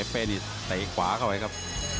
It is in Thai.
เป้นี่เตะขวาเข้าไปครับ